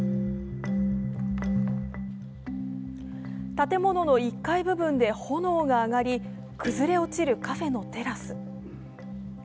建物の１階部分で炎が上がり崩れ落ちるカフェのテラス。